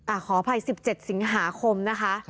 อ่าขออภัยสิบเจ็ดสิงหาคมนะคะ